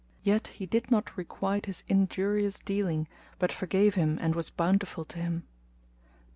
Yet he did not requite his injurious dealing, but forgave him and was bountiful to him.